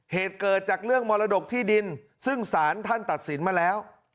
เหตุเกิดจากเรื่องมรดกที่ดินซึ่งศาลท่านตัดสินมาแล้ว